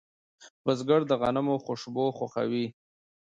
بزګر د غنمو خوشبو خوښوي